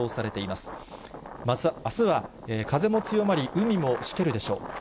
またあすは風も強まり、海もしけるでしょう。